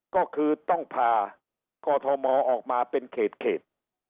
ก็คือต้องพากอทมออกมาเป็นเขต